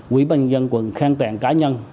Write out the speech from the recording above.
quỹ ban dân quận khang tẹn cá nhân